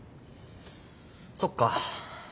そっか。